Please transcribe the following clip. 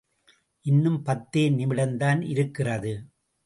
இன்னும் பத்தே நிமிடந்தான் இருக்கிறது.